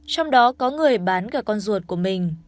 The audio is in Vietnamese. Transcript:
trong đó có người bán cả con ruột của mình